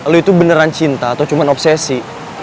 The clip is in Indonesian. lo itu beneran cinta atau cuma obsesi